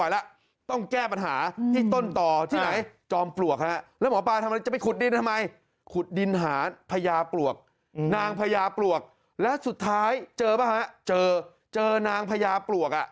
และสุดท้ายเจอไหมครับเจอเจอนางพญาปลวก